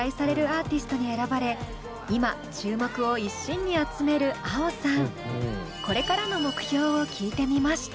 アーティストに選ばれ今注目を一身に集めるａｏさん。